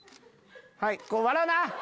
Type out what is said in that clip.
はい笑うな！